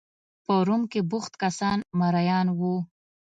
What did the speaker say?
په روم کې بوخت کسان مریان وو.